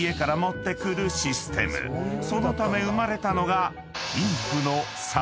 ［そのため生まれたのが］